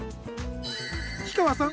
氷川さん